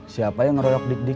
siapa yang ngeroyok dik dik